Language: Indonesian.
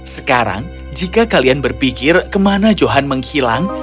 sekarang jika kalian berpikir kemana johan menghilang